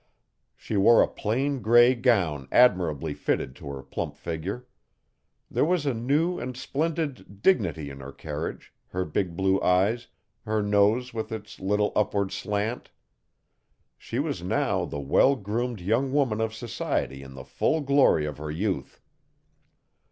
She wore a plain grey gown admirably fitted to her plump figure. There was a new and splendid 'dignity in her carriage, her big blue eyes, her nose with its little upward slant. She was now the well groomed young woman of society in the full glory of her youth.